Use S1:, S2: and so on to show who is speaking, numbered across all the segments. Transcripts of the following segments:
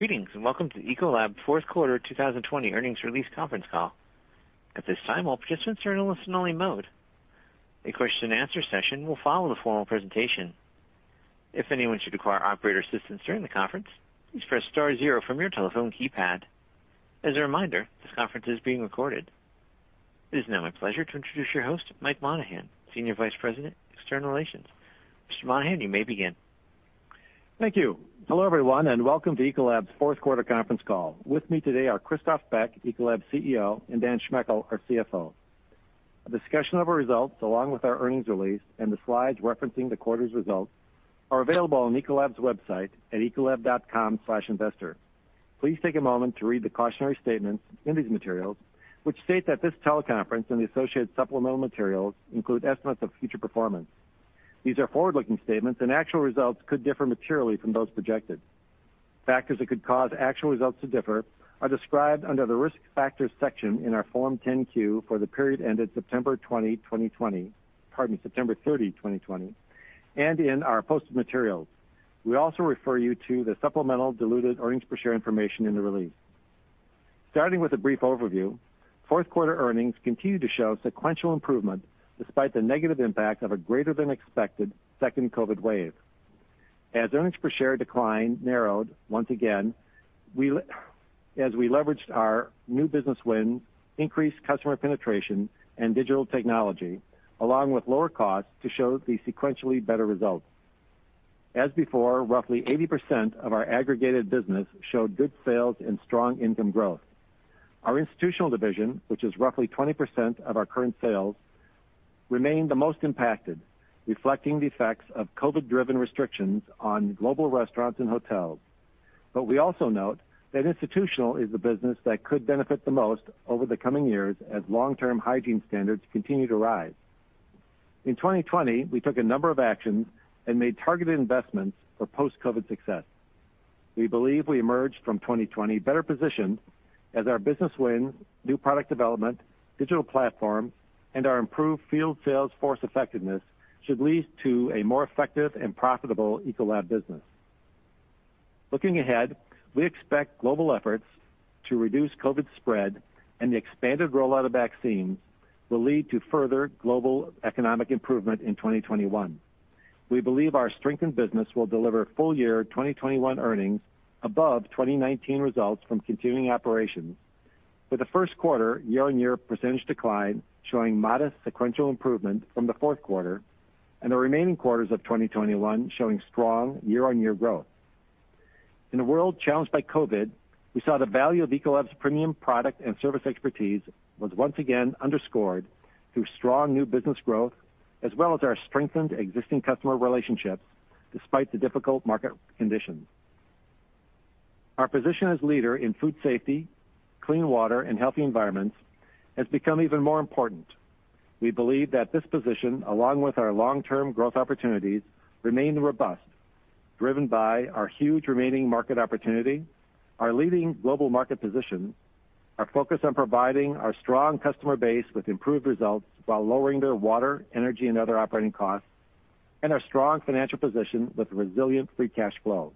S1: Greetings and welcome to the Ecolab fourth quarter 2020 earnings release conference call. At this time all speakers are on only-listen mode. A question and answer session will follow for all the presentations. If anyone should require operator's assistance during the conference, please press star zero from your telephone keypad. As a reminder this conference is being recorded. It is now my pleasure to introduce your host, Mike Monahan, Senior Vice President, External Relations. Monahan, you may begin.
S2: Thank you. Hello, everyone, welcome to Ecolab's fourth quarter conference call. With me today are Christophe Beck, Ecolab's CEO, and Dan Schmechel, our CFO. A discussion of our results, along with our earnings release and the slides referencing the quarter's results, are available on ecolab.com/investor. Please take a moment to read the cautionary statements in these materials, which state that this teleconference and the associated supplemental materials include estimates of future performance. These are forward-looking statements, actual results could differ materially from those projected. Factors that could cause actual results to differ are described under the Risk Factors section in our Form 10-Q for the period ending September 30, 2020, and in our posted materials. We also refer you to the supplemental diluted earnings per share information in the release. Starting with a brief overview, fourth quarter earnings continued to show sequential improvement despite the negative impact of a greater-than-expected second COVID wave. As earnings per share decline narrowed once again, as we leveraged our new business wins, increased customer penetration, and digital technology, along with lower costs, to show the sequentially better results. As before, roughly 80% of our aggregated business showed good sales and strong income growth. Our institutional division, which is roughly 20% of our current sales, remained the most impacted, reflecting the effects of COVID-driven restrictions on global restaurants and hotels. We also note that institutional is the business that could benefit the most over the coming years as long-term hygiene standards continue to rise. In 2020, we took a number of actions and made targeted investments for post-COVID success. We believe we emerged from 2020 better positioned as our business wins, new product development, digital platform, and our improved field sales force effectiveness should lead to a more effective and profitable Ecolab business. Looking ahead, we expect global efforts to reduce COVID's spread and the expanded rollout of vaccines will lead to further global economic improvement in 2021. We believe our strengthened business will deliver full-year 2021 earnings above 2019 results from continuing operations, with the first quarter year-on-year % decline showing modest sequential improvement from the fourth quarter and the remaining quarters of 2021 showing strong year-on-year growth. In a world challenged by COVID, we saw the value of Ecolab's premium product and service expertise was once again underscored through strong new business growth as well as our strengthened existing customer relationships despite the difficult market conditions. Our position as leader in food safety, clean water, and healthy environments has become even more important. We believe that this position, along with our long-term growth opportunities, remain robust, driven by our huge remaining market opportunity, our leading global market position, our focus on providing our strong customer base with improved results while lowering their water, energy, and other operating costs, and our strong financial position with resilient free cash flow.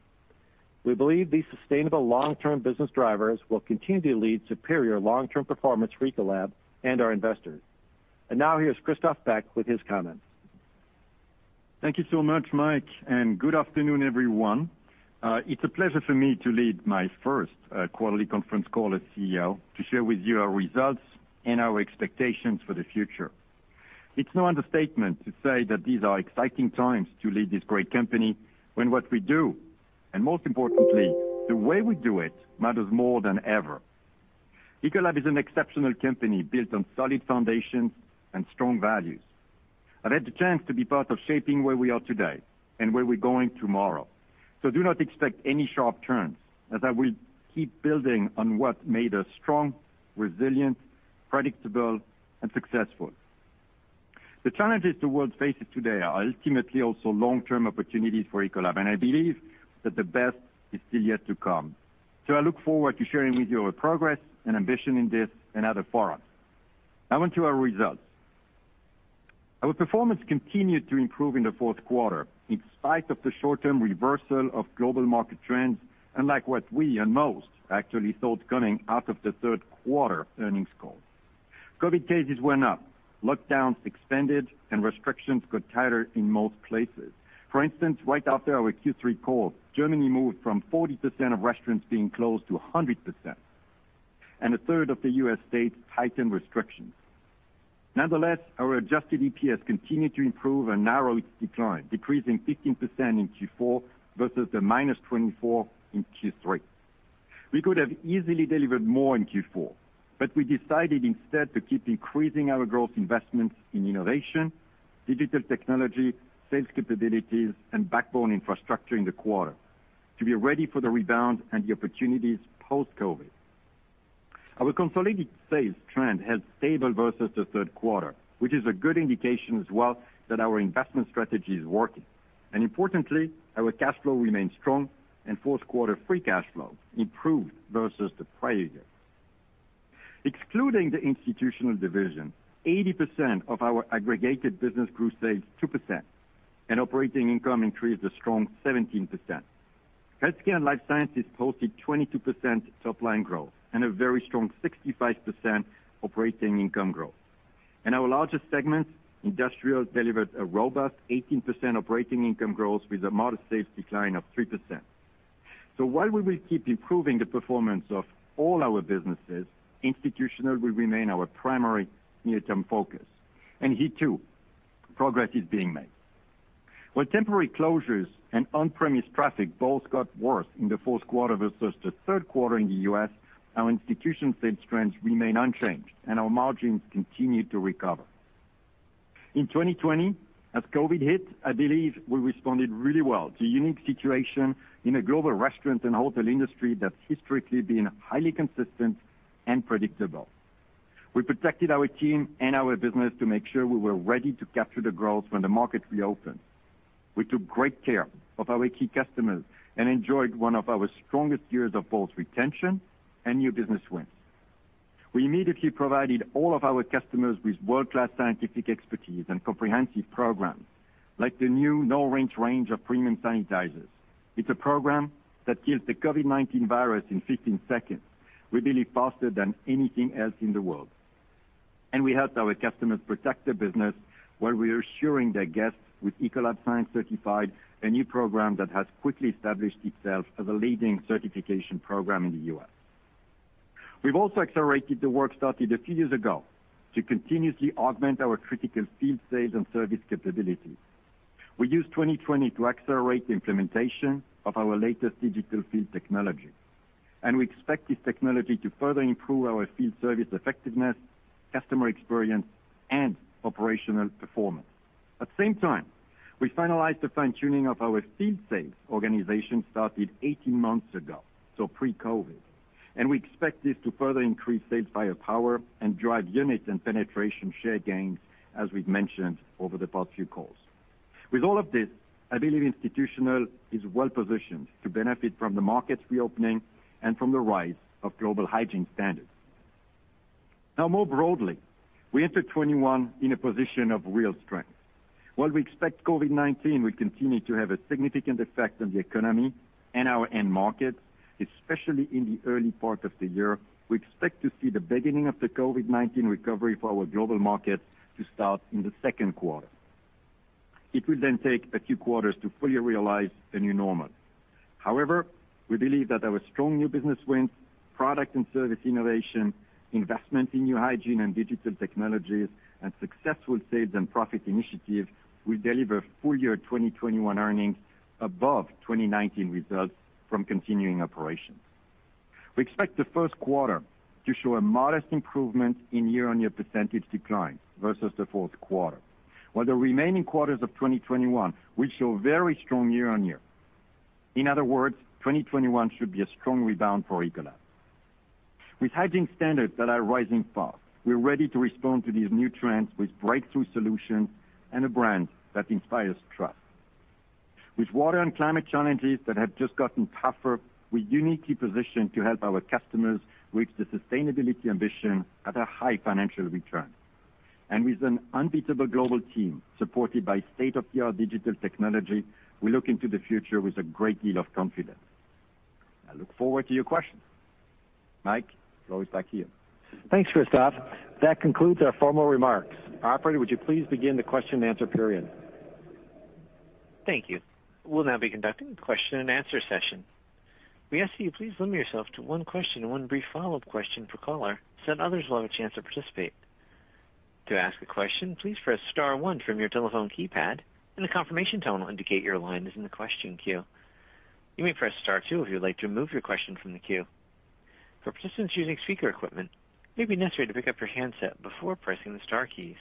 S2: We believe these sustainable long-term business drivers will continue to lead superior long-term performance for Ecolab and our investors. Now, here's Christophe Beck with his comments.
S3: Thank you so much, Mike, and good afternoon, everyone. It's a pleasure for me to lead my first quarterly conference call as CEO to share with you our results and our expectations for the future. It's no understatement to say that these are exciting times to lead this great company when what we do, and most importantly, the way we do it, matters more than ever. Ecolab is an exceptional company built on solid foundations and strong values. I've had the chance to be part of shaping where we are today and where we're going tomorrow. Do not expect any sharp turns, as I will keep building on what made us strong, resilient, predictable, and successful. The challenges the world faces today are ultimately also long-term opportunities for Ecolab, and I believe that the best is still yet to come. I look forward to sharing with you our progress and ambition in this and other forums. Now on to our results. Our performance continued to improve in the fourth quarter in spite of the short-term reversal of global market trends, unlike what we and most actually thought coming out of the third quarter earnings call. COVID cases went up, lockdowns extended, and restrictions got tighter in most places. For instance, right after our Q3 call, Germany moved from 40% of restaurants being closed to 100%, and a third of the U.S. states tightened restrictions. Nonetheless, our adjusted EPS continued to improve and narrow its decline, decreasing 15% in Q4 versus the -24% in Q3. We could have easily delivered more in Q4. We decided instead to keep increasing our growth investments in innovation, digital technology, sales capabilities, and backbone infrastructure in the quarter to be ready for the rebound and the opportunities post-COVID. Our consolidated sales trend held stable versus the third quarter, which is a good indication as well that our investment strategy is working. Importantly, our cash flow remains strong, and fourth quarter free cash flow improved versus the prior year. Excluding the institutional division, 80% of our aggregated business grew sales 2%, and operating income increased a strong 17%. Healthcare and life sciences posted 22% top-line growth and a very strong 65% operating income growth. In our largest segment, industrial delivered a robust 18% operating income growth with a modest sales decline of 3%. While we will keep improving the performance of all our businesses, institutional will remain our primary near-term focus, and here too, progress is being made. While temporary closures and on-premise traffic both got worse in the fourth quarter versus the third quarter in the U.S., our institution sales trends remain unchanged, and our margins continue to recover. In 2020, as COVID hit, I believe we responded really well to a unique situation in a global restaurant and hotel industry that's historically been highly consistent and predictable. We protected our team and our business to make sure we were ready to capture the growth when the market reopened. We took great care of our key customers and enjoyed one of our strongest years of both retention and new business wins. We immediately provided all of our customers with world-class scientific expertise and comprehensive programs, like the new no-rinse range of premium sanitizers. It's a program that kills the COVID-19 virus in 15 seconds. We believe faster than anything else in the world. We helped our customers protect their business while reassuring their guests with Ecolab Science Certified, a new program that has quickly established itself as a leading certification program in the U.S. We've also accelerated the work started a few years ago to continuously augment our critical field sales and service capabilities. We used 2020 to accelerate the implementation of our latest digital field technology, and we expect this technology to further improve our field service effectiveness, customer experience, and operational performance. At the same time, we finalized the fine-tuning of our field sales organization started 18 months ago, so pre-COVID-19, and we expect this to further increase sales firepower and drive unit and penetration share gains, as we've mentioned over the past few calls. With all of this, I believe institutional is well-positioned to benefit from the market's reopening and from the rise of global hygiene standards. More broadly, we enter 2021 in a position of real strength. While we expect COVID-19 will continue to have a significant effect on the economy and our end markets, especially in the early part of the year, we expect to see the beginning of the COVID-19 recovery for our global markets to start in the second quarter. It will then take a few quarters to fully realize the new normal. However, we believe that our strong new business wins, product and service innovation, investment in new hygiene and digital technologies, and successful sales and profit initiatives will deliver full-year 2021 earnings above 2019 results from continuing operations. We expect the first quarter to show a modest improvement in year-on-year percentage decline versus the fourth quarter, while the remaining quarters of 2021 will show very strong year-on-year. In other words, 2021 should be a strong rebound for Ecolab. With hygiene standards that are rising fast, we're ready to respond to these new trends with breakthrough solutions and a brand that inspires trust. With water and climate challenges that have just gotten tougher, we're uniquely positioned to help our customers reach their sustainability ambition at a high financial return. With an unbeatable global team supported by state-of-the-art digital technology, we look into the future with a great deal of confidence. I look forward to your questions. Mike, floor is back to you.
S2: Thanks, Christophe. That concludes our formal remarks. Operator, would you please begin the question and answer period?
S1: Thank you. We'll now be conducting a question and answer session. We ask that you please limit yourself to one question and one brief follow-up question per caller so that others will have a chance to participate. To ask a question, please press star one from your telephone keypad, and a confirmation tone will indicate your line is in the question queue. You may press star two if you would like to remove your question from the queue. For participants using speaker equipment, it may be necessary to pick up your handset before pressing the star keys.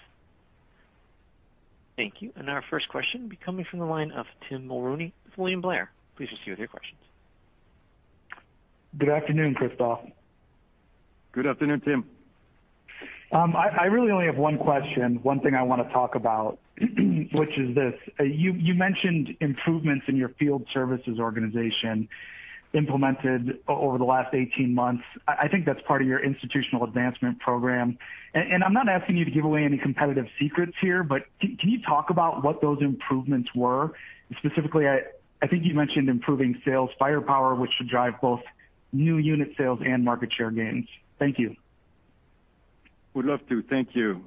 S1: Thank you. Our first question will be coming from the line of Tim Mulrooney with William Blair. Please proceed with your questions.
S4: Good afternoon, Christophe.
S3: Good afternoon, Tim.
S4: I really only have one question, one thing I want to talk about, which is this. You mentioned improvements in your field services organization implemented over the last 18 months. I think that's part of your institutional advancement program. I'm not asking you to give away any competitive secrets here, but can you talk about what those improvements were? Specifically, I think you mentioned improving sales firepower, which should drive both new unit sales and market share gains. Thank you.
S3: Would love to. Thank you,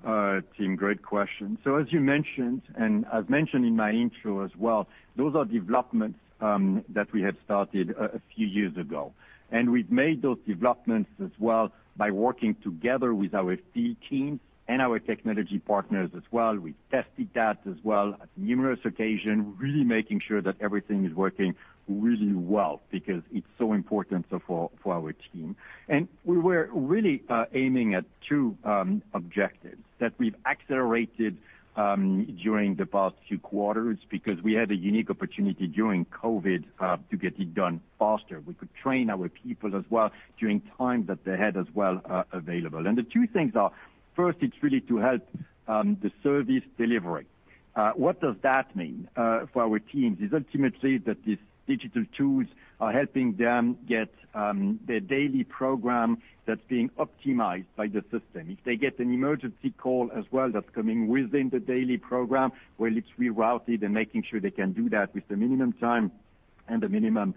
S3: Tim. Great question. As you mentioned, and I've mentioned in my intro as well, those are developments that we have started a few years ago. We've made those developments as well by working together with our field teams and our technology partners as well. We tested that as well on numerous occasions, really making sure that everything is working really well because it's so important for our team. We were really aiming at two objectives that we've accelerated during the past few quarters because we had a unique opportunity during COVID to get it done faster. We could train our people as well during times that they had as well available. The two things are, first, it's really to help the service delivery. What does that mean for our teams? It's ultimately that these digital tools are helping them get their daily program that's being optimized by the system. If they get an emergency call as well that's coming within the daily program, well, it's rerouted and making sure they can do that with the minimum time and the minimum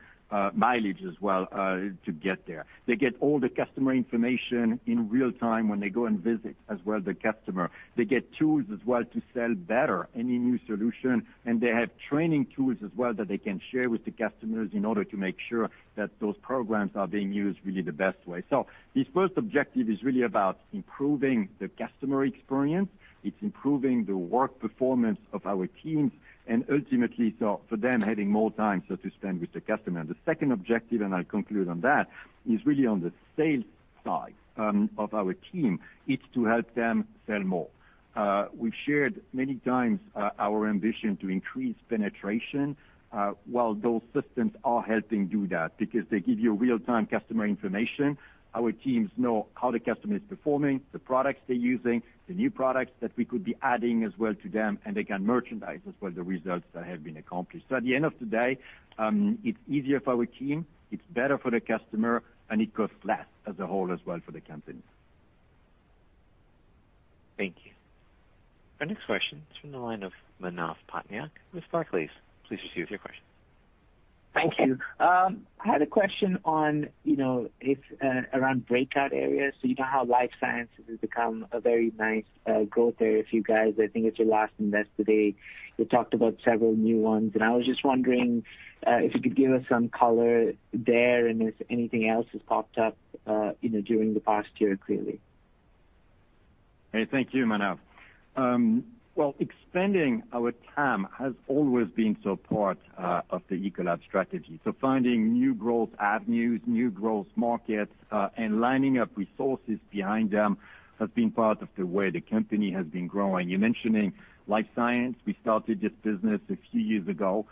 S3: mileage as well to get there. They get all the customer information in real time when they go and visit as well the customer. They get tools as well to sell better, any new solution, and they have training tools as well that they can share with the customers in order to make sure that those programs are being used really the best way. This first objective is really about improving the customer experience. It's improving the work performance of our teams and ultimately, so for them, having more time so to spend with the customer. The second objective, I'll conclude on that, is really on the sales side of our team. It's to help them sell more. We've shared many times our ambition to increase penetration. Well, those systems are helping do that because they give you real-time customer information. Our teams know how the customer is performing, the products they're using, the new products that we could be adding as well to them, and they can merchandise as well the results that have been accomplished. At the end of the day, it's easier for our team, it's better for the customer, and it costs less as a whole as well for the company.
S1: Thank you. Our next question is from the line of Manav Patnaik with Barclays. Please proceed with your question.
S5: Thank you. I had a question on around breakout areas. You know how life sciences has become a very nice growth area for you guys. I think at your last Investor Day, you talked about several new ones, and I was just wondering if you could give us some color there, and if anything else has popped up during the past year clearly.
S3: Hey, thank you, Manav. Well, expanding our TAM has always been so part of the Ecolab strategy. Finding new growth avenues, new growth markets, and lining up resources behind them has been part of the way the company has been growing. You're mentioning life science. We started this business a few years ago.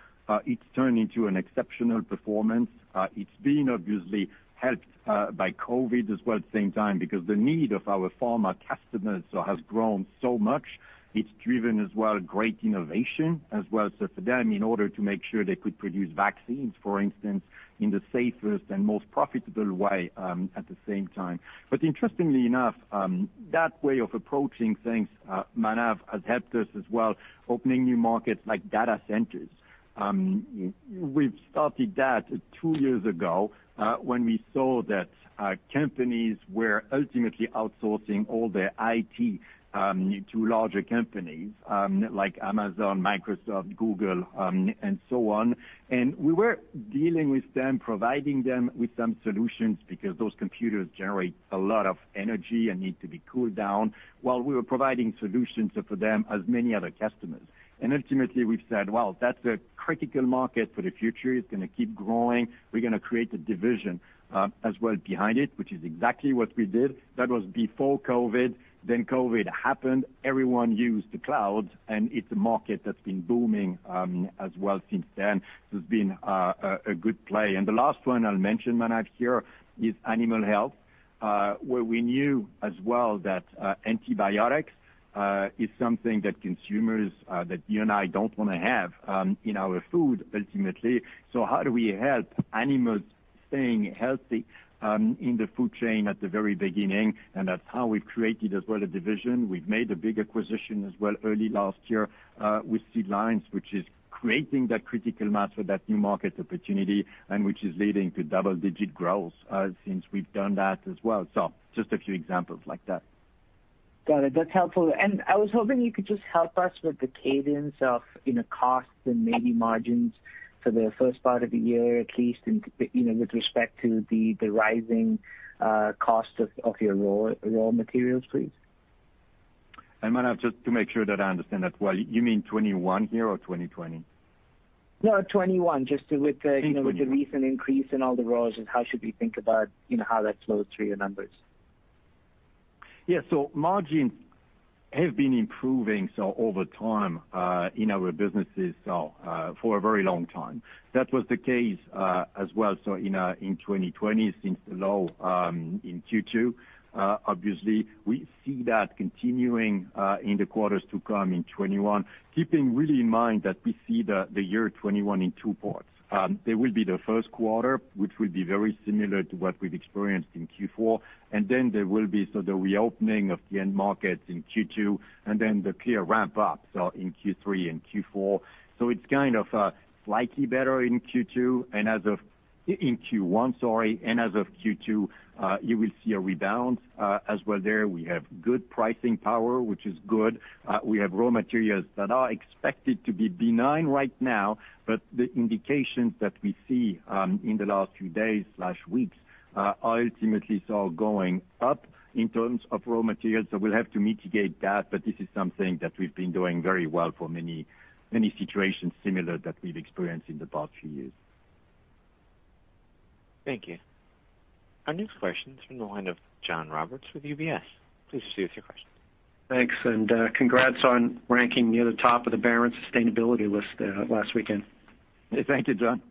S3: It's turned into an exceptional performance. It's been obviously helped by COVID-19 as well at the same time because the need of our pharma customers has grown so much. It's driven as well great innovation as well. For them, in order to make sure they could produce vaccines, for instance, in the safest and most profitable way at the same time. Interestingly enough, that way of approaching things, Manav, has helped us as well, opening new markets like data centers. We've started that two years ago, when we saw that companies were ultimately outsourcing all their IT to larger companies like Amazon, Microsoft, Google, and so on. We were dealing with them, providing them with some solutions because those computers generate a lot of energy and need to be cooled down while we were providing solutions for them as many other customers. Ultimately, we've said, Well, that's a critical market for the future. It's going to keep growing. We're going to create a division as well behind it, which is exactly what we did. That was before COVID. COVID happened, everyone used the cloud, and it's a market that's been booming as well since then. It's been a good play. The last one I'll mention, Manav, here is animal health, where we knew as well that antibiotics is something that consumers, that you and I don't want to have in our food, ultimately. How do we help animals staying healthy in the food chain at the very beginning? That's how we've created as well a division. We've made a big acquisition as well early last year, with CID Lines, which is creating that critical mass for that new market opportunity and which is leading to double-digit growth since we've done that as well. Just a few examples like that.
S5: Got it. That's helpful. I was hoping you could just help us with the cadence of costs and maybe margins for the first part of the year at least with respect to the rising cost of your raw materials, please.
S3: Manav, just to make sure that I understand that well, you mean 2021 here or 2020?
S5: No, 2021.
S3: '21
S5: the recent increase in all the raws and how should we think about how that flows through your numbers?
S3: Margins have been improving over time in our businesses for a very long time. That was the case as well in 2020 since the low in Q2. Obviously, we see that continuing in the quarters to come in 2021, keeping really in mind that we see the year 2021 in two parts. There will be the first quarter, which will be very similar to what we've experienced in Q4, and then there will be the reopening of the end markets in Q2, and then the clear ramp-up in Q3 and Q4. It's kind of slightly better in Q2 and as of in Q1, sorry. As of Q2, you will see a rebound as well there. We have good pricing power, which is good. We have raw materials that are expected to be benign right now, but the indications that we see in the last few days/weeks are ultimately going up in terms of raw materials. We'll have to mitigate that, but this is something that we've been doing very well for many situations similar that we've experienced in the past few years.
S1: Thank you. Our next question is from the line of John Roberts with UBS. Please proceed with your question.
S6: Thanks. Congrats on ranking near the top of the Barron's Sustainability List last weekend.
S3: Thank you, John.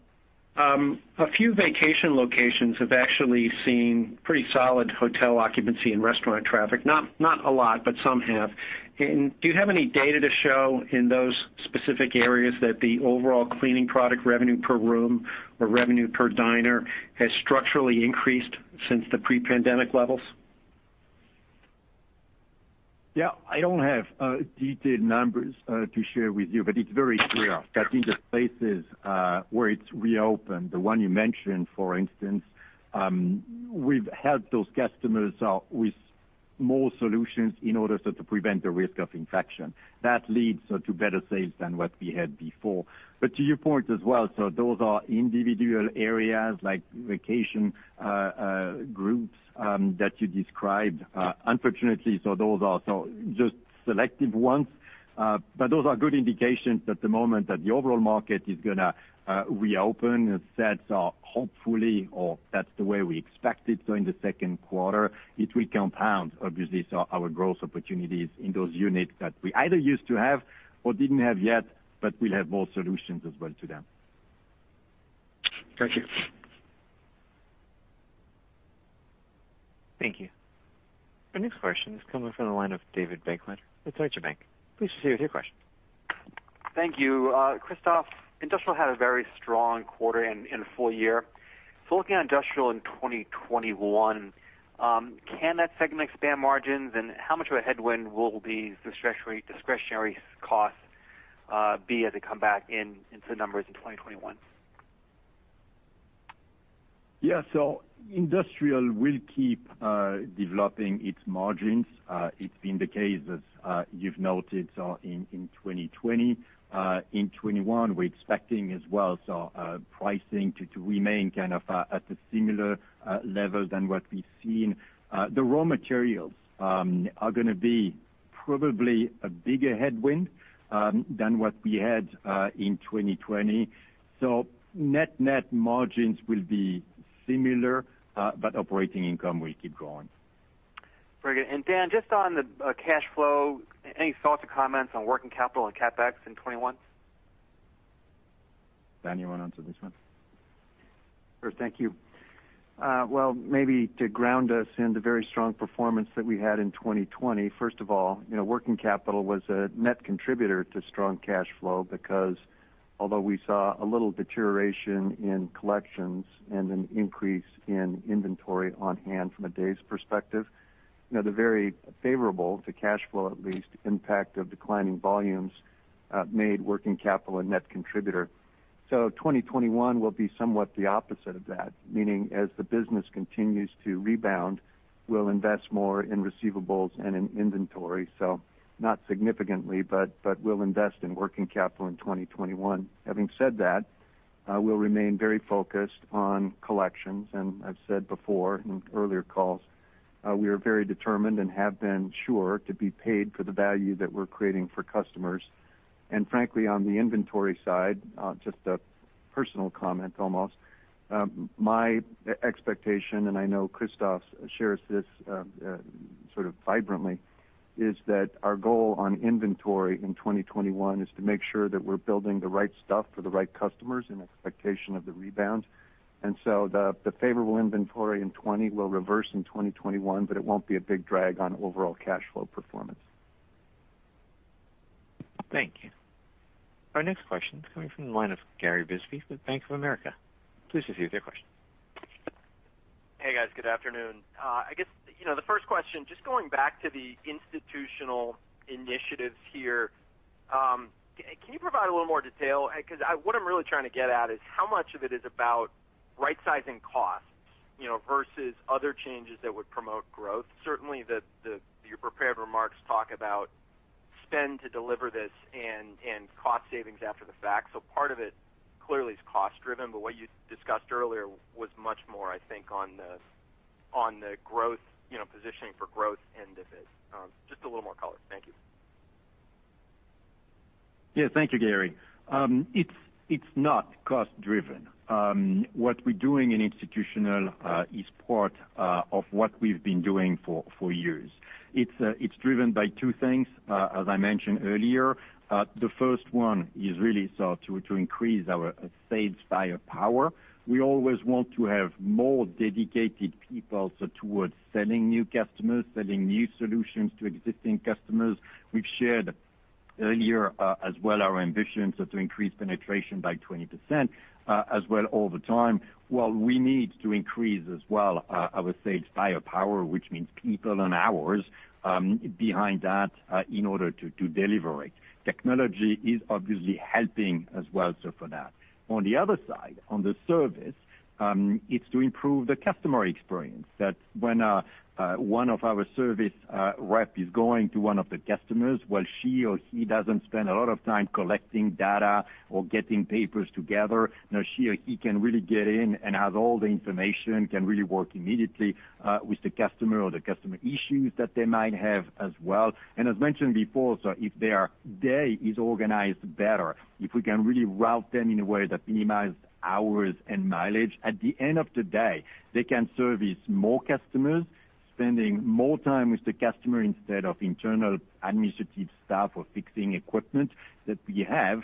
S6: A few vacation locations have actually seen pretty solid hotel occupancy and restaurant traffic. Not a lot, but some have. Do you have any data to show in those specific areas that the overall cleaning product revenue per room or revenue per diner has structurally increased since the pre-pandemic levels?
S3: Yeah. I don't have detailed numbers to share with you, but it's very clear that in the places where it's reopened, the one you mentioned, for instance, we've helped those customers out with more solutions in order to prevent the risk of infection. That leads to better sales than what we had before. To your point as well, those are individual areas like vacation groups that you described. Unfortunately, those are just selective ones. Those are good indications that the moment that the overall market is going to reopen, hopefully, or that's the way we expect it during the second quarter, it will compound, obviously. Our growth opportunities in those units that we either used to have or didn't have yet, but we'll have more solutions as well to them.
S6: Thank you.
S1: Thank you. Our next question is coming from the line of David Begleiter with Deutsche Bank. Please proceed with your question.
S7: Thank you. Christophe, industrial had a very strong quarter and full year. Looking at industrial in 2021, can that segment expand margins? How much of a headwind will the discretionary costs be as they come back into the numbers in 2021?
S3: Yeah. Industrial will keep developing its margins. It's been the case as you've noted, so in 2020. In 2021, we're expecting as well, so pricing to remain kind of at a similar level than what we've seen. The raw materials are going to be probably a bigger headwind than what we had in 2020. Net margins will be similar, but operating income will keep growing.
S7: Very good. Dan, just on the cash flow, any thoughts or comments on working capital and CapEx in 2021?
S3: Dan, you want to answer this one?
S8: Sure. Thank you. Well, maybe to ground us in the very strong performance that we had in 2020. First of all, working capital was a net contributor to strong cash flow because although we saw a little deterioration in collections and an increase in inventory on hand from a days perspective, the very favorable, to cash flow at least, impact of declining volumes, made working capital a net contributor. 2021 will be somewhat the opposite of that, meaning as the business continues to rebound, we'll invest more in receivables and in inventory. Not significantly, but we'll invest in working capital in 2021. Having said that, we'll remain very focused on collections, and I've said before in earlier calls, we are very determined and have been sure to be paid for the value that we're creating for customers. Frankly, on the inventory side, just a personal comment almost, my expectation, and I know Christophe shares this sort of vibrantly, is that our goal on inventory in 2021 is to make sure that we're building the right stuff for the right customers in expectation of the rebound. The favorable inventory in 2020 will reverse in 2021, but it won't be a big drag on overall cash flow performance.
S1: Thank you. Our next question is coming from the line of Gary Bisbee with Bank of America. Please proceed with your question.
S9: Hey, guys. Good afternoon. I guess, the first question, just going back to the institutional initiatives here, can you provide a little more detail? What I'm really trying to get at is how much of it is about right-sizing costs versus other changes that would promote growth? Certainly, your prepared remarks talk about spend to deliver this and cost savings after the fact. Part of it clearly is cost-driven, but what you discussed earlier was much more, I think, on the positioning for growth end of it. Just a little more color. Thank you.
S3: Yeah. Thank you, Gary. It's not cost-driven. What we're doing in institutional is part of what we've been doing for years. It's driven by two things, as I mentioned earlier. The first one is really to increase our sales firepower. We always want to have more dedicated people towards selling new customers, selling new solutions to existing customers. We've shared earlier, as well our ambitions to increase penetration by 20%, as well over time. We need to increase as well our sales firepower, which means people and hours behind that in order to deliver it. Technology is obviously helping as well for that. On the other side, on the service, it's to improve the customer experience that when one of our service rep is going to one of the customers, while she or he doesn't spend a lot of time collecting data or getting papers together, now she or he can really get in and have all the information, can really work immediately with the customer or the customer issues that they might have as well. As mentioned before, if their day is organized better, if we can really route them in a way that minimizes hours and mileage, at the end of the day, they can service more customers, spending more time with the customer instead of internal administrative staff or fixing equipment that we have.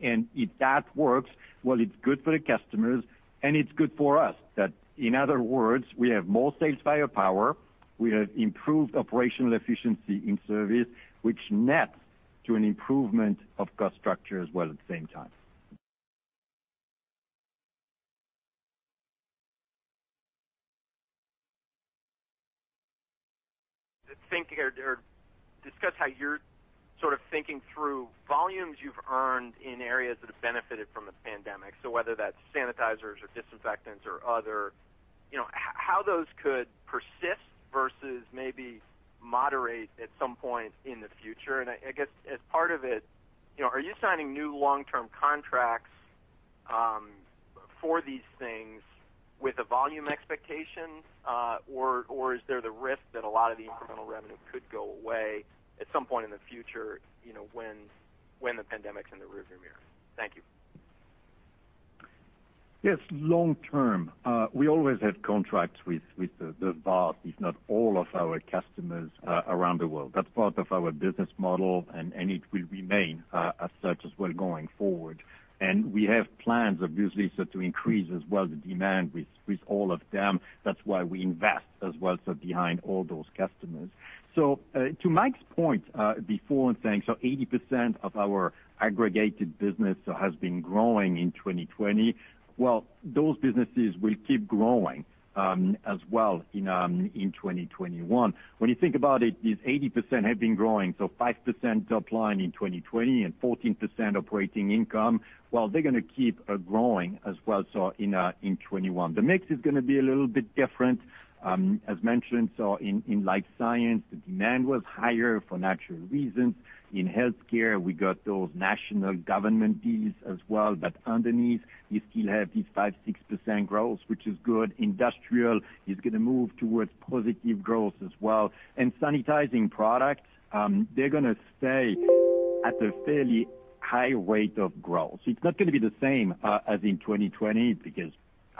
S3: If that works well, it's good for the customers and it's good for us that, in other words, we have more sales firepower, we have improved operational efficiency in service, which nets to an improvement of cost structure as well at the same time.
S9: discuss how you're sort of thinking through volumes you've earned in areas that have benefited from the pandemic. Whether that's sanitizers or disinfectants or other, how those could persist versus maybe moderate at some point in the future. I guess as part of it, are you signing new long-term contracts for these things with a volume expectation? Is there the risk that a lot of the incremental revenue could go away at some point in the future, when the pandemic's in the rear-view mirror? Thank you.
S3: Yes, long term, we always have contracts with the vast, if not all of our customers around the world. That's part of our business model, and it will remain as such as well going forward. We have plans, obviously, to increase as well the demand with all of them. That's why we invest as well, behind all those customers. To Mike's point before in saying, 80% of our aggregated business has been growing in 2020, well, those businesses will keep growing as well in 2021. When you think about it, this 80% have been growing, 5% top line in 2020 and 14% operating income, well, they're going to keep growing as well in 2021. The mix is going to be a little bit different. As mentioned, in life science, the demand was higher for natural reasons. In healthcare, we got those national government deals as well, but underneath, you still have these 5%, 6% growth, which is good. Industrial is going to move towards positive growth as well. Sanitizing products, they're going to stay at a fairly high rate of growth. It's not going to be the same as in 2020, because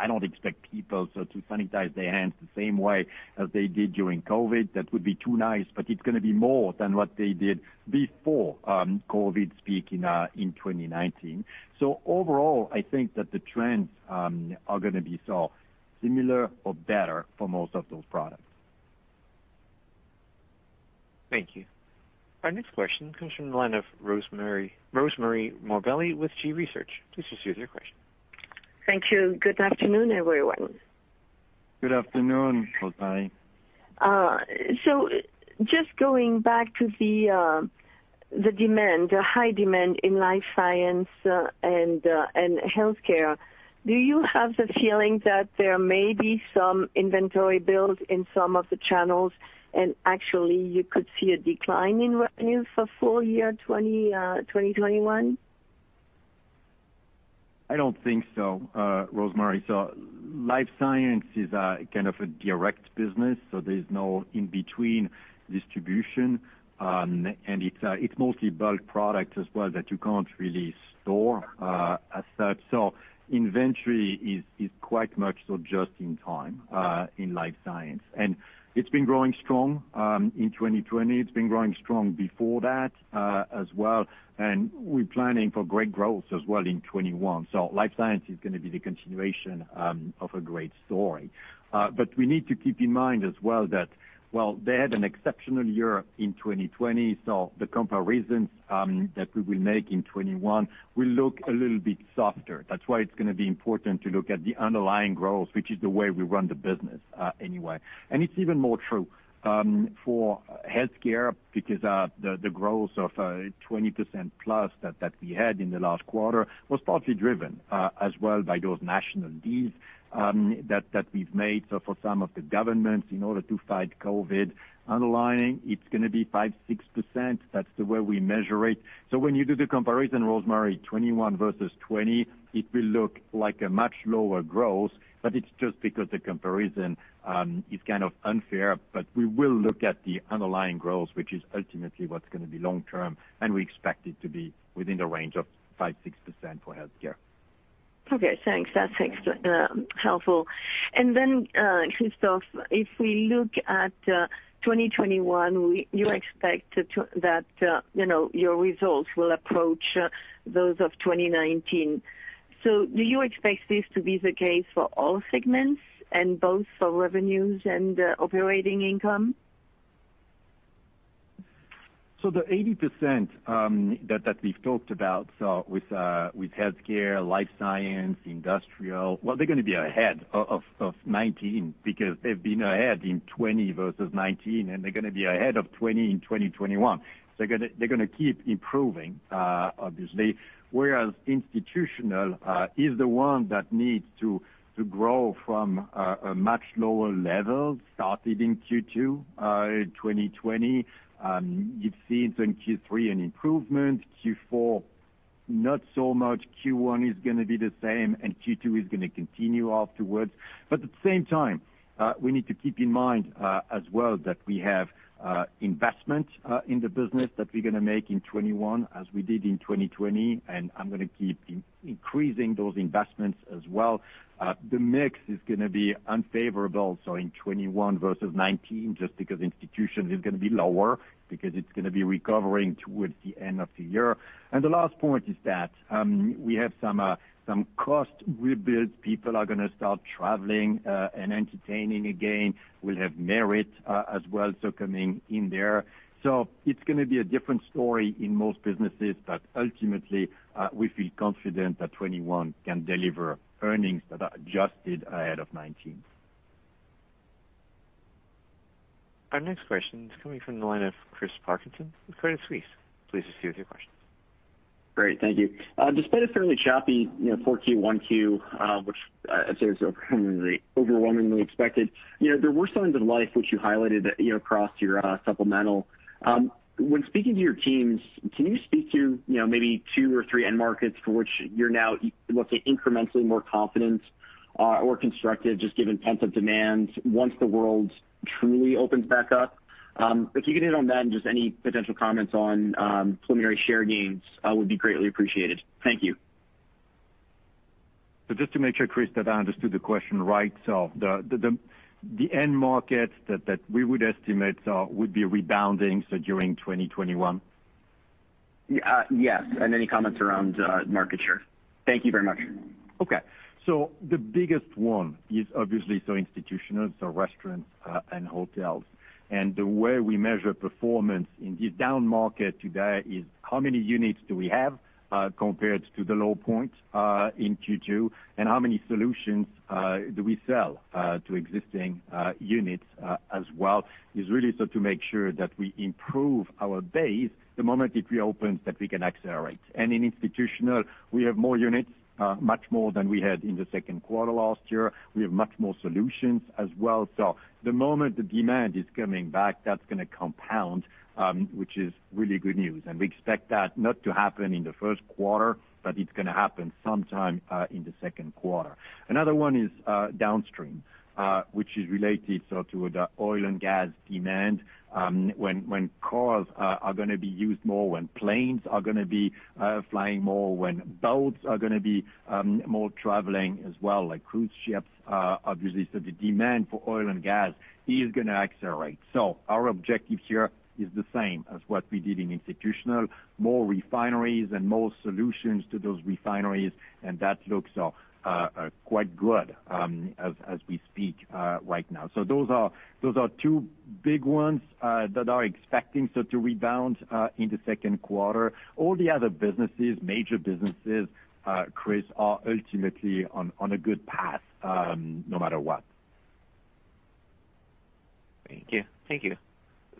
S3: I don't expect people to sanitize their hands the same way as they did during COVID-19. That would be too nice, but it's going to be more than what they did before COVID-19, speaking in 2019. Overall, I think that the trends are going to be similar or better for most of those products.
S9: Thank you.
S1: Our next question comes from the line of Rosemarie Morgello with Gabelli Funds. Please proceed with your question.
S10: Thank you. Good afternoon, everyone.
S3: Good afternoon, Rosemarie.
S10: Just going back to the demand, the high demand in life science and healthcare, do you have the feeling that there may be some inventory build in some of the channels and actually you could see a decline in revenue for full year 2021?
S3: I don't think so, Rosemarie. Life science is kind of a direct business, there's no in-between distribution. It's mostly bulk product as well that you can't really store as such. Inventory is quite much so just in time, in life science. It's been growing strong in 2020. It's been growing strong before that as well. We're planning for great growth as well in 2021. Life science is going to be the continuation of a great story. We need to keep in mind as well that while they had an exceptional year in 2020, the comparisons that we will make in 2021 will look a little bit softer. That's why it's going to be important to look at the underlying growth, which is the way we run the business anyway. It's even more true for healthcare because the growth of 20%+ that we had in the last quarter was partly driven as well by those national deals that we've made for some of the governments in order to fight COVID-19. Underlying, it's going to be 5%, 6%. That's the way we measure it. When you do the comparison, Rosemarie, 2021 versus 2020, it will look like a much lower growth, but it's just because the comparison is kind of unfair. We will look at the underlying growth, which is ultimately what's going to be long term, and we expect it to be within the range of 5%, 6% for healthcare.
S10: Okay, thanks. That's helpful. Christophe, if we look at 2021, you expect that your results will approach those of 2019. Do you expect this to be the case for all segments and both for revenues and operating income?
S3: The 80% that we've talked about, so with healthcare, life science, industrial, well, they're going to be ahead of 2019 because they've been ahead in 2020 versus 2019, and they're going to be ahead of 2020 in 2021. They're going to keep improving, obviously, whereas institutional is the one that needs to grow from a much lower level, started in Q2 2020. You've seen so in Q3 an improvement, Q4 not so much, Q1 is going to be the same, and Q2 is going to continue afterwards. At the same time, we need to keep in mind as well that we have investment in the business that we're going to make in 2021 as we did in 2020, and I'm going to keep increasing those investments as well. The mix is going to be unfavorable, in 2021 versus 2019, just because institutions is going to be lower because it's going to be recovering towards the end of the year. The last point is that we have some cost rebuild. People are going to start traveling and entertaining again. We'll have merit as well coming in there. It's going to be a different story in most businesses, but ultimately, we feel confident that 2021 can deliver earnings that are adjusted ahead of 2019.
S1: Our next question is coming from the line of Christopher Parkinson with Credit Suisse. Please proceed with your questions.
S11: Great. Thank you. Despite a fairly choppy 4Q1Q, which I'd say was overwhelmingly expected, there were signs of life which you highlighted across your supplemental. When speaking to your teams, can you speak to maybe two or three end markets for which you're now, let's say, incrementally more confident or constructive, just given pent-up demand once the world truly opens back up? If you could hit on that and just any potential comments on preliminary share gains would be greatly appreciated. Thank you.
S3: Just to make sure, Chris, that I understood the question right. The end market that we would estimate would be rebounding, so during 2021?
S11: Yes. Any comments around market share. Thank you very much.
S3: Okay. The biggest one is obviously institutional, so restaurants and hotels. The way we measure performance in this down market today is how many units do we have compared to the low point in Q2, and how many solutions do we sell to existing units as well, to make sure that we improve our base the moment it reopens, that we can accelerate. In institutional, we have more units, much more than we had in the second quarter last year. We have much more solutions as well. The moment the demand is coming back, that's going to compound, which is really good news. We expect that not to happen in the first quarter, but it's going to happen sometime in the second quarter. Another one is downstream, which is related to the oil and gas demand. When cars are going to be used more, when planes are going to be flying more, when boats are going to be more traveling as well, like cruise ships, obviously. The demand for oil and gas is going to accelerate. Our objective here is the same as what we did in Institutional, more refineries and more solutions to those refineries, and that looks quite good as we speak right now. Those are two big ones that are expecting to rebound in the second quarter. All the other businesses, major businesses, Chris, are ultimately on a good path no matter what.
S1: Thank you.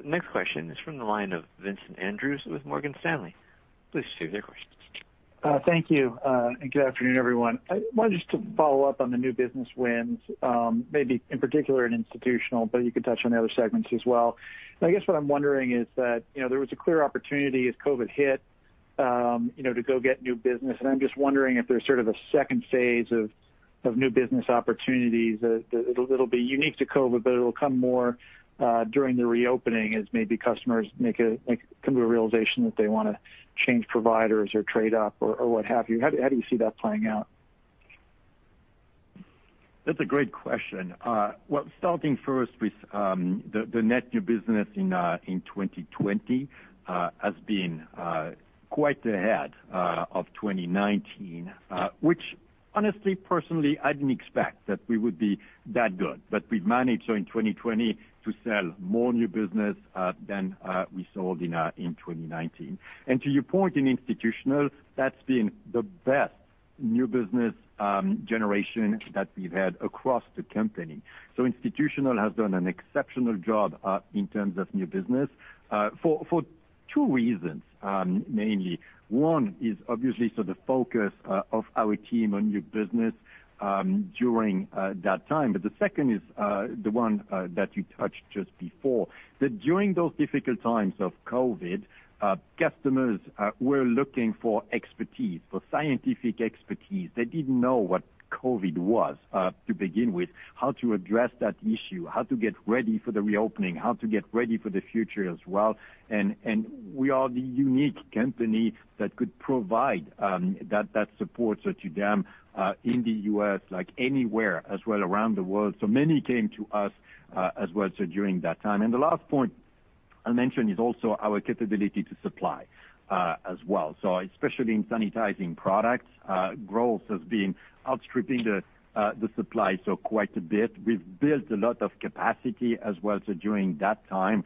S1: Next question is from the line of Vincent Andrews with Morgan Stanley. Please proceed with your question.
S12: Thank you, and good afternoon, everyone. I wanted just to follow up on the new business wins, maybe in particular in institutional, but you could touch on the other segments as well. And I guess what I'm wondering is that there was a clear opportunity as COVID hit to go get new business, and I'm just wondering if there's sort of a second phase of new business opportunities that it'll be unique to COVID, but it'll come more during the reopening as maybe customers come to a realization that they want to change providers or trade up or what have you. How do you see that playing out?
S3: That's a great question. Well, starting first with the net new business in 2020 has been quite ahead of 2019, which honestly, personally, I didn't expect that we would be that good. We've managed in 2020 to sell more new business than we sold in 2019. To your point, in institutional, that's been the best new business generation that we've had across the company. Institutional has done an exceptional job in terms of new business for two reasons mainly. One is obviously the focus of our team on new business during that time. The second is the one that you touched just before, that during those difficult times of COVID-19, customers were looking for expertise, for scientific expertise. They didn't know what COVID was to begin with, how to address that issue, how to get ready for the reopening, how to get ready for the future as well. We are the unique company that could provide that support to them in the U.S., like anywhere as well around the world. Many came to us as well during that time. The last point I'll mention is also our capability to supply as well. Especially in sanitizing products, growth has been outstripping the supply quite a bit. We've built a lot of capacity as well during that time.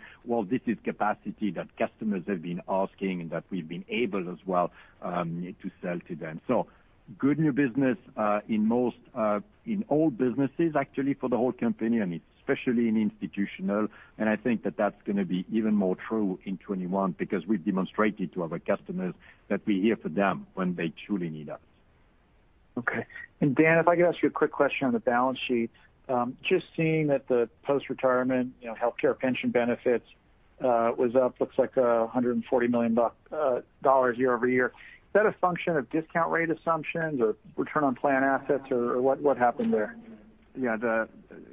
S3: This is capacity that customers have been asking and that we've been able as well to sell to them. Good new business in all businesses, actually, for the whole company, and especially in institutional. I think that that's going to be even more true in 2021 because we've demonstrated to our customers that we're here for them when they truly need us.
S12: Okay. Dan, if I could ask you a quick question on the balance sheet. Just seeing that the post-retirement healthcare pension benefits was up, looks like $140 million year-over-year. Is that a function of discount rate assumptions or return on plan assets or what happened there?
S8: Yeah.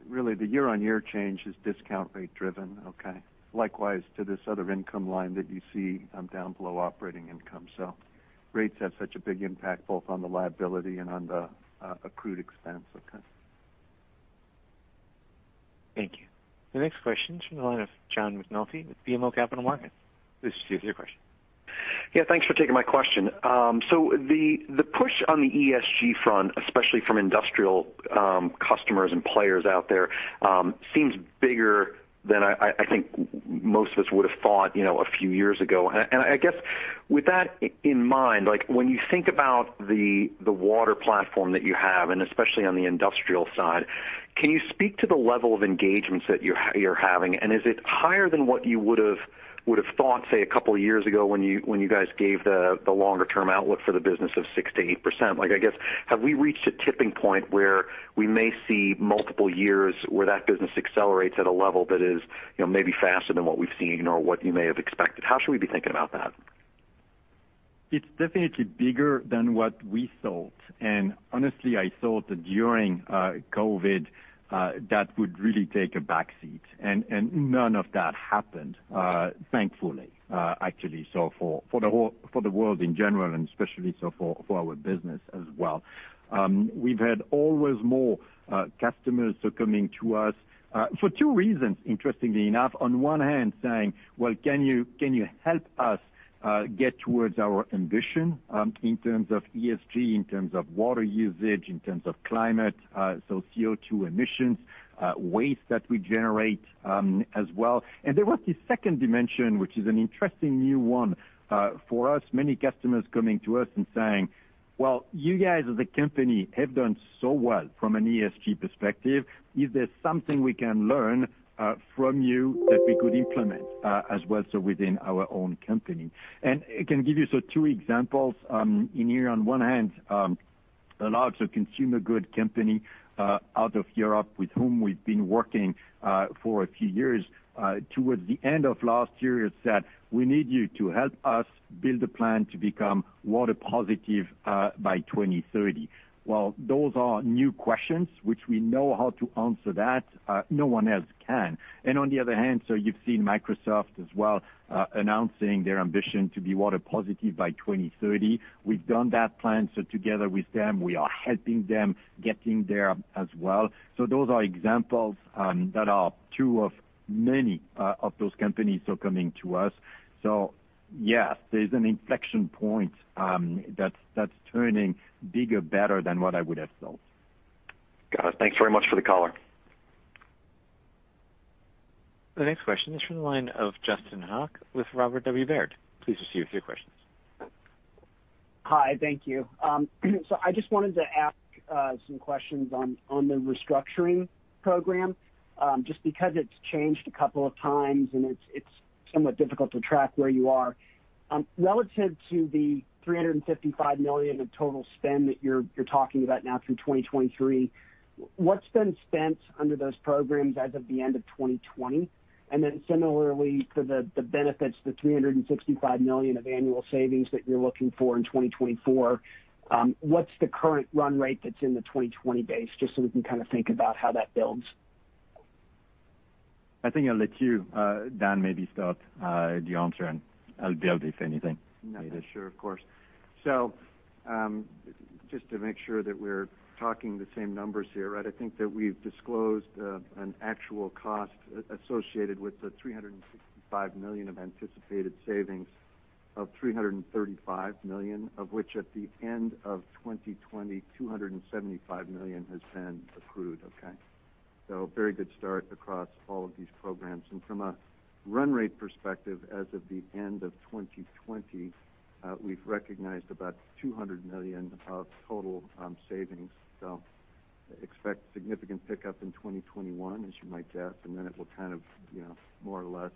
S8: Really the year-over-year change is discount rate driven. Okay. Likewise to this other income line that you see down below operating income. Rates have such a big impact both on the liability and on the accrued expense. Okay.
S1: Thank you. The next question is from the line of John McNulty with BMO Capital Markets. Please proceed with your question.
S13: Yeah, thanks for taking my question. The push on the ESG front, especially from industrial customers and players out there, seems bigger than I think most of us would have thought a few years ago. I guess with that in mind, when you think about the water platform that you have, and especially on the industrial side. Can you speak to the level of engagements that you're having? Is it higher than what you would've thought, say, a couple of years ago when you guys gave the longer-term outlook for the business of 6%-8%? I guess, have we reached a tipping point where we may see multiple years where that business accelerates at a level that is maybe faster than what we've seen or what you may have expected? How should we be thinking about that?
S3: It's definitely bigger than what we thought, honestly, I thought that during COVID-19, that would really take a back seat, none of that happened, thankfully, actually, for the world in general, especially so for our business as well. We've had always more customers coming to us for two reasons, interestingly enough. On one hand, saying, Well, can you help us get towards our ambition in terms of ESG, in terms of water usage, in terms of climate, so CO2 emissions, waste that we generate as well? There was this second dimension, which is an interesting new one for us. Many customers coming to us saying, Well, you guys as a company have done so well from an ESG perspective. Is there something we can learn from you that we could implement as well, so within our own company? I can give you two examples. On one hand, a large consumer goods company out of Europe with whom we've been working for a few years, towards the end of last year said, We need you to help us build a plan to become water positive by 2030. Well, those are new questions, which we know how to answer that. No one else can. On the other hand, you've seen Microsoft as well announcing their ambition to be water positive by 2030. We've done that plan, together with them, we are helping them getting there as well. Those are examples that are two of many of those companies coming to us. Yes, there's an inflection point that's turning bigger, better than what I would've thought.
S13: Got it. Thanks very much for the color.
S1: The next question is from the line of Justin Hauke with Robert W. Baird. Please proceed with your questions.
S14: Hi. Thank you. I just wanted to ask some questions on the restructuring program, just because it's changed a couple of times, and it's somewhat difficult to track where you are. Relative to the $355 million of total spend that you're talking about now through 2023, what's been spent under those programs as of the end of 2020? Then similarly, for the benefits, the $365 million of annual savings that you're looking for in 2024, what's the current run rate that's in the 2020 base, just so we can kind of think about how that builds?
S3: I think I'll let you, Dan, maybe start the answer, and I'll build if anything needed.
S8: Sure. Of course. Just to make sure that we're talking the same numbers here, right, I think that we've disclosed an actual cost associated with the $365 million of anticipated savings of $335 million, of which at the end of 2020, $275 million has been accrued. Okay? A very good start across all of these programs. From a run rate perspective, as of the end of 2020, we've recognized about $200 million of total savings. Expect significant pickup in 2021, as you might guess, and then it will kind of more or less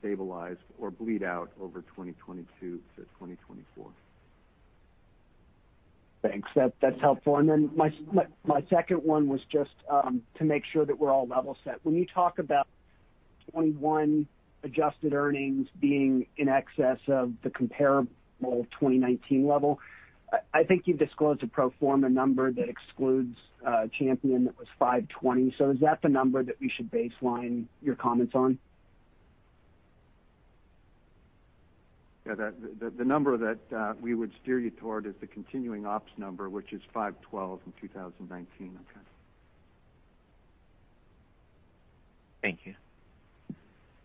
S8: stabilize or bleed out over 2022 to 2024.
S14: Thanks. That's helpful. My second one was just to make sure that we're all level set. When you talk about 2021 adjusted earnings being in excess of the comparable 2019 level, I think you've disclosed a pro forma number that excludes ChampionX that was $5.20. Is that the number that we should baseline your comments on?
S8: Yeah, the number that we would steer you toward is the continuing ops number, which is $512 in 2019.
S14: Okay.
S1: Thank you.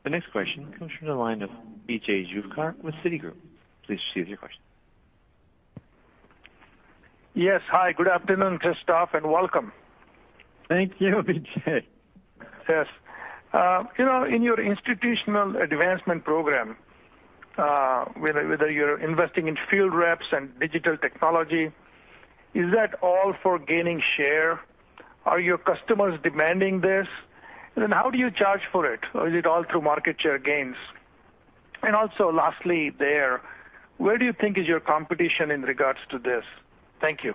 S1: The next question comes from the line of P.J. Juvekar with Citigroup. Please proceed with your question.
S15: Yes. Hi, good afternoon, Christophe, and welcome.
S3: Thank you, P.J.
S15: Yes. In your institutional advancement program, whether you're investing in field reps and digital technology, is that all for gaining share? Are your customers demanding this? How do you charge for it? Is it all through market share gains? Lastly there, where do you think is your competition in regards to this? Thank you.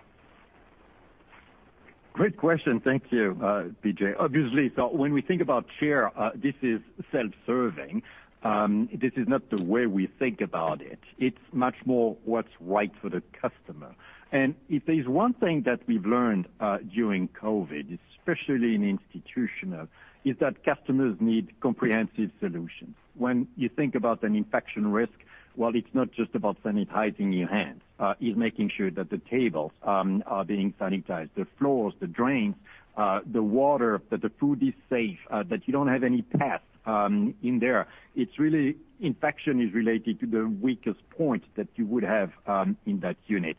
S3: Great question. Thank you, P.J. Obviously, when we think about share, this is self-serving. This is not the way we think about it. It's much more what's right for the customer. If there's one thing that we've learned during COVID, especially in institutional, is that customers need comprehensive solutions. When you think about an infection risk, while it's not just about sanitizing your hands, it's making sure that the tables are being sanitized, the floors, the drains, the water, that the food is safe, that you don't have any paths in there. It's really infection is related to the weakest point that you would have in that unit.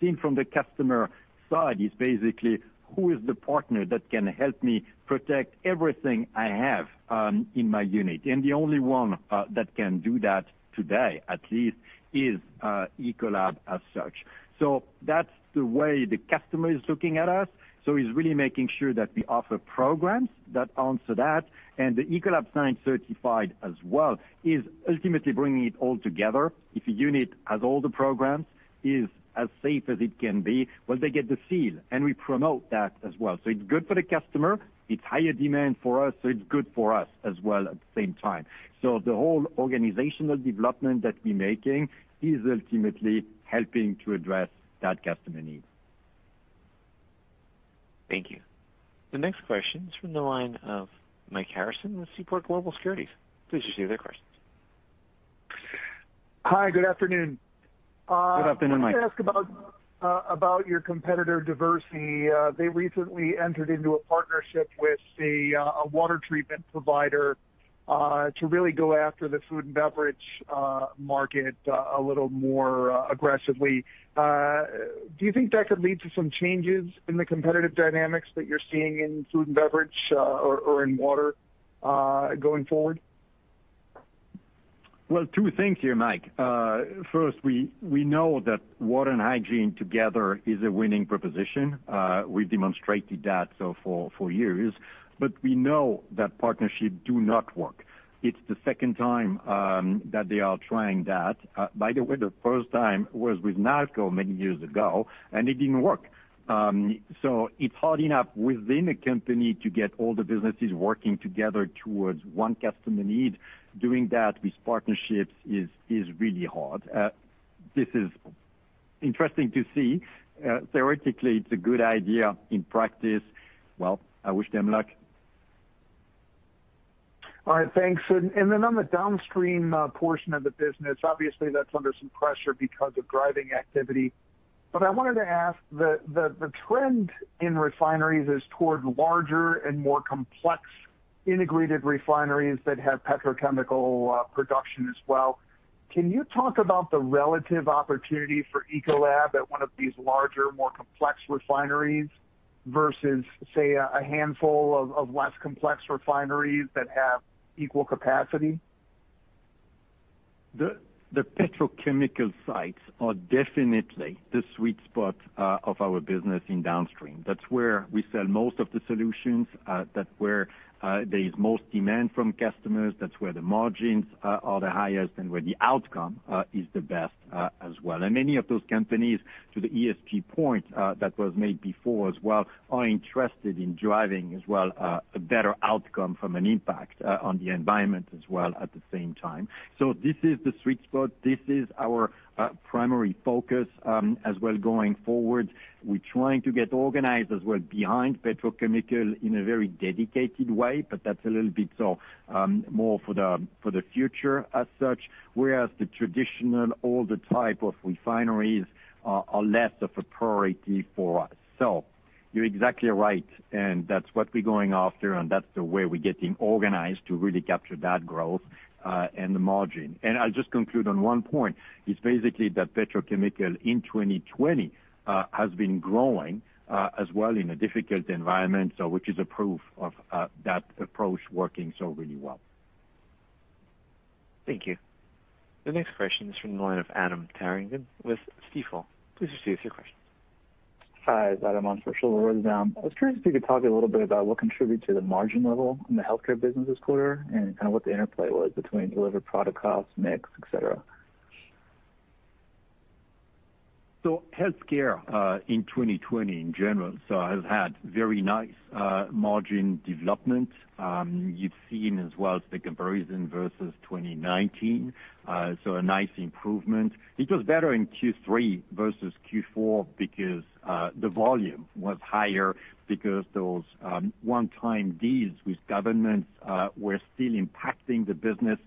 S3: Seen from the customer side, it's basically who is the partner that can help me protect everything I have in my unit? The only one that can do that today, at least, is Ecolab as such. That's the way the customer is looking at us. It's really making sure that we offer programs that answer that, and the Ecolab Science Certified as well is ultimately bringing it all together. If a unit has all the programs, is as safe as it can be, well, they get the seal, and we promote that as well. It's good for the customer. It's higher demand for us, so it's good for us as well at the same time. The whole organizational development that we're making is ultimately helping to address that customer need.
S1: Thank you. The next question is from the line of Mike Harrison with Seaport Global Securities. Please issue their questions.
S16: Hi, good afternoon.
S3: Good afternoon, Mike.
S2: I wanted to ask about your competitor Diversey. They recently entered into a partnership with a water treatment provider to really go after the food and beverage market a little more aggressively. Do you think that could lead to some changes in the competitive dynamics that you're seeing in food and beverage or in water going forward?
S3: Well, two things here, Mike. First, we know that water and hygiene together is a winning proposition. We've demonstrated that for years. We know that partnerships do not work. It's the second time that they are trying that. The first time was with Nalco many years ago, and it didn't work. It's hard enough within a company to get all the businesses working together towards one customer need. Doing that with partnerships is really hard. This is interesting to see. Theoretically, it's a good idea. In practice, well, I wish them luck.
S16: All right, thanks. On the downstream portion of the business, obviously that's under some pressure because of driving activity. I wanted to ask, the trend in refineries is toward larger and more complex integrated refineries that have petrochemical production as well. Can you talk about the relative opportunity for Ecolab at one of these larger, more complex refineries versus, say, a handful of less complex refineries that have equal capacity?
S3: The petrochemical sites are definitely the sweet spot of our business in downstream. That's where we sell most of the solutions. That's where there is most demand from customers, that's where the margins are the highest, and where the outcome is the best as well. Many of those companies, to the ESG point that was made before as well, are interested in driving as well a better outcome from an impact on the environment as well at the same time. This is the sweet spot. This is our primary focus as well going forward. We're trying to get organized as well behind petrochemical in a very dedicated way, but that's a little bit more for the future as such, whereas the traditional older type of refineries are less of a priority for us. You're exactly right, and that's what we're going after, and that's the way we're getting organized to really capture that growth and the margin. I'll just conclude on one point, is basically that petrochemical in 2020 has been growing as well in a difficult environment, so which is a proof of that approach working so really well.
S16: Thank you.
S1: The next question is from the line of Adam Parrington with Stifel. Please proceed with your question.
S17: Hi, this is Adam on for Shlomo Rosenbaum. I was curious if you could talk a little bit about what contributed to the margin level in the healthcare business this quarter, and kind of what the interplay was between delivered product costs, mix, et cetera.
S3: Healthcare, in 2020 in general, has had very nice margin development. You've seen as well the comparison versus 2019, so a nice improvement. It was better in Q3 versus Q4 because the volume was higher because those one-time deals with governments were still impacting the business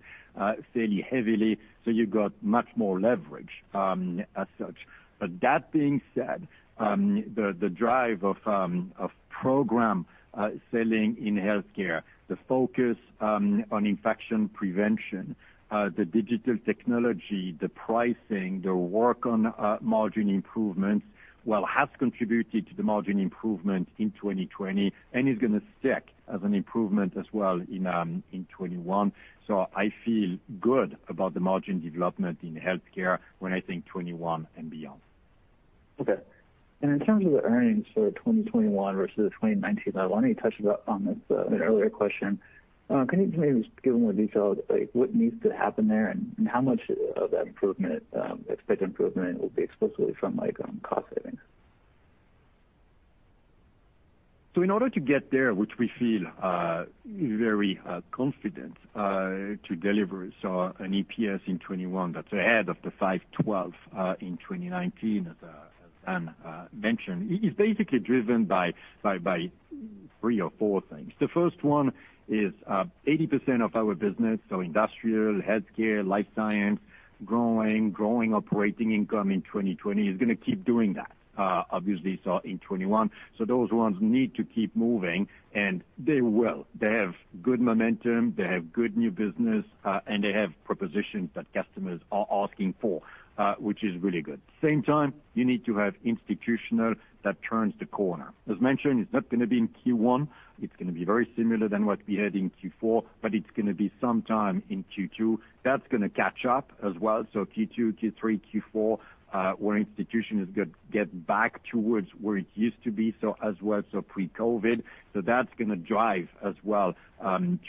S3: fairly heavily, so you got much more leverage as such. That being said, the drive of program selling in healthcare, the focus on infection prevention, the digital technology, the pricing, the work on margin improvements, well, has contributed to the margin improvement in 2020 and is gonna stick as an improvement as well in 2021. I feel good about the margin development in healthcare when I think 2021 and beyond.
S17: Okay. In terms of the earnings for 2021 versus the 2019 level, I know you touched on this in an earlier question. Can you maybe just give more detail, like what needs to happen there and how much of that expected improvement will be exclusively from cost savings?
S3: In order to get there, which we feel very confident to deliver, an EPS in 2021 that's ahead of the $5.12 in 2019, as Dan mentioned, it is basically driven by three or four things. The first one is 80% of our business, so Industrial, Healthcare, Life Science, growing operating income in 2020 is going to keep doing that, obviously so in 2021. Those ones need to keep moving, and they will. They have good momentum, they have good new business, and they have propositions that customers are asking for, which is really good. Same time you need to have Institutional that turns the corner. As mentioned, it's not going to be in Q1. It's going to be very similar than what we had in Q4, but it's going to be sometime in Q2. That's going to catch up as well. Q2, Q3, Q4 where institution is going to get back towards where it used to be, as well as pre-COVID. That's going to drive as well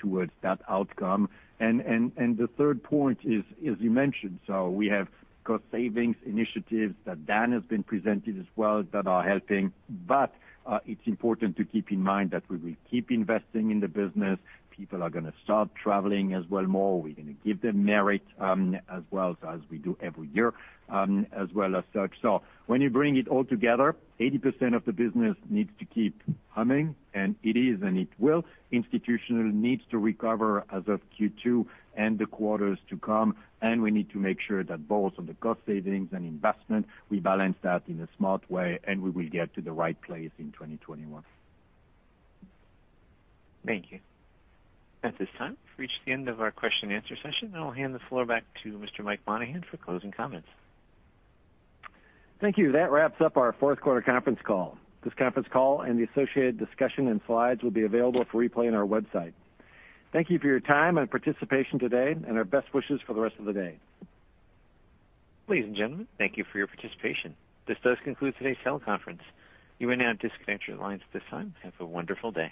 S3: towards that outcome. The third point is, as you mentioned, so we have cost savings initiatives that Dan has been presenting as well that are helping. It's important to keep in mind that we will keep investing in the business. People are going to start traveling as well more. We're going to give them merit as well, so as we do every year as well as such. When you bring it all together, 80% of the business needs to keep humming, and it is, and it will. Institutional needs to recover as of Q2 and the quarters to come, and we need to make sure that both on the cost savings and investment, we balance that in a smart way, and we will get to the right place in 2021.
S17: Thank you.
S1: At this time, we've reached the end of our question and answer session, and I'll hand the floor back to Mr. Michael Monahan for closing comments.
S2: Thank you. That wraps up our fourth quarter conference call. This conference call and the associated discussion and slides will be available for replay on our website. Thank you for your time and participation today, and our best wishes for the rest of the day.
S1: Ladies and gentlemen, thank you for your participation. This does conclude today's teleconference. You may now disconnect your lines at this time. Have a wonderful day.